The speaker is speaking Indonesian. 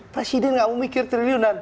presiden nggak mau mikir triliunan